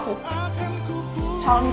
kamu tuh mending